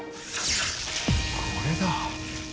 これだ。